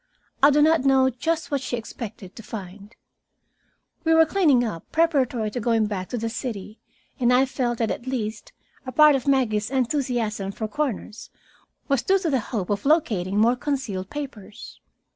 I do not know just what she expected to find. We were cleaning up preparatory to going back to the city, and I felt that at least a part of Maggie's enthusiasm for corners was due to a hope of locating more concealed papers.